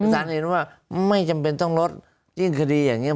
สารเห็นว่าไม่จำเป็นต้องลดยิ่งคดีอย่างนี้